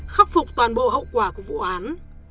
khắc phục toàn bộ hậu quả của vụ án